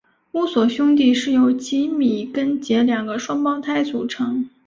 乌索兄弟是由吉米跟杰两个双胞胎组成。